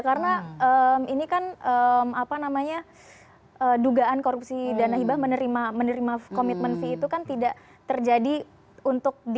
karena ini kan apa namanya dugaan korupsi dana hibah menerima komitmen fee itu kan tidak terjadi untuk